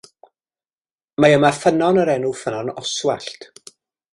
Mae yma ffynnon o'r enw Ffynnon Oswallt.